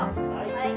はい。